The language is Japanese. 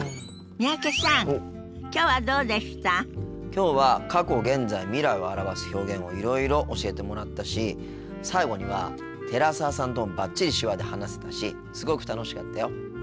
きょうは過去現在未来を表す表現をいろいろ教えてもらったし最後には寺澤さんともバッチリ手話で話せたしすごく楽しかったよ。